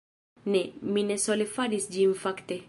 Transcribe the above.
Ne, mi ne sole faris ĝin fakte